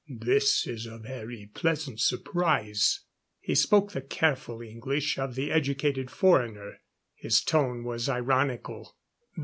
"This is a very pleasant surprise " He spoke the careful English of the educated foreigner. His tone was ironical.